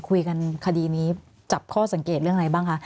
คดีนี้จับข้อสังเกตเรื่องอะไรบ้างคะ